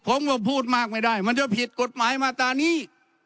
ผมก็พูดมากไม่ได้มันจะผิดกฎหมายมาตรานี้